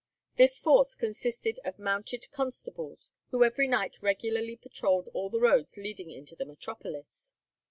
This force consisted of mounted constables, who every night regularly patrolled all the roads leading into the metropolis.